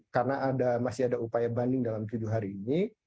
karena masih ada upaya banding dalam hidup hari ini